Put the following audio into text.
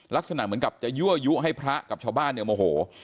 ลักษณะเหมือนกับจะยั่วยุให้พระกับชาวบ้านเนี่ยโมโห